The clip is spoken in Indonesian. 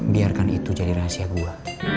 biarkan itu jadi rahasia gue